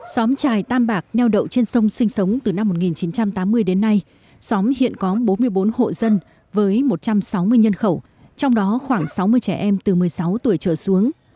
xóm trài tam bạc neo đậu trên sông sinh sống từ năm một nghìn chín trăm tám mươi đến nay xóm hiện có bốn mươi bốn hộ dân với một trăm sáu mươi nhân khẩu trong đó khoảng sáu mươi trẻ em từ một mươi sáu tuổi trở xuống